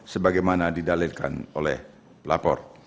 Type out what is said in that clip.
sebagaimana didalitkan oleh lapor